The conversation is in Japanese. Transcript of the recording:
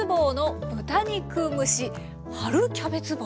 春キャベツ棒？